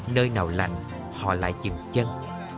nơi nào lạnh họ lại chừng chân